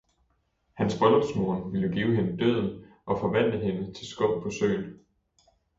Hans bryllupsmorgen ville jo give hende døden og forvandle hende til skum på søen.